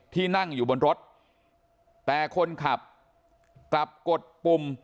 ที่นั่งอยู่บนรถแต่คนขับกลับกดปุ่ม